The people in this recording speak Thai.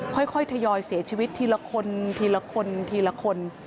ค่อยทยอยเสียชีวิตทีละคน